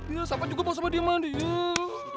iya siapa juga mau sama dia mandi ya